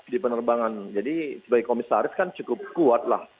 di penerbangan jadi sebagai komisaris kan cukup kuat lah